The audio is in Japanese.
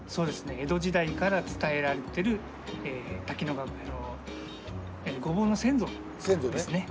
江戸時代から伝えられてる滝野川ごぼうの先祖ですね。